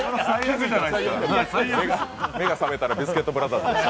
目が覚めたらビスケットブラザーズ。